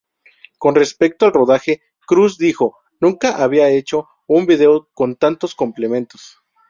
Con respecto al rodaje, Cruz dijo "Nunca había hecho un vídeo con tantos complementos.